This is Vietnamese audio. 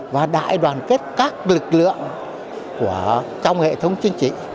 và đại đoàn kết các lực lượng trong hệ thống chính trị